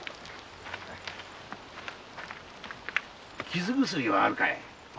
傷薬はあるかい？